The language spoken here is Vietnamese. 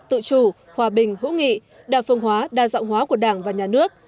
tự chủ hòa bình hữu nghị đa phương hóa đa dạng hóa của đảng và nhà nước